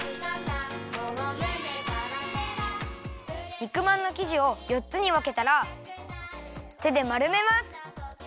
肉まんのきじをよっつにわけたらてでまるめます。